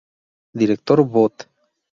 Director Bot.